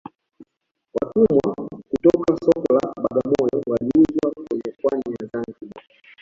Watumwa kutoka soko la bagamoyo waliuzwa kwenye pwani ya zanzibar